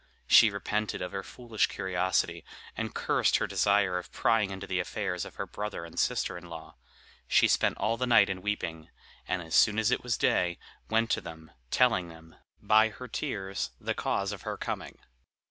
She repented of her foolish curiosity, and cursed her desire of prying into the affairs of her brother and sister in law. She spent all the night in weeping; and, as soon as it was day, went to them, telling them, by her tears, the cause of her coming.